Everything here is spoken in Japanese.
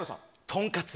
とんかつ。